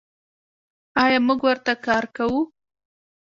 آیا موږ ورته کار کوو؟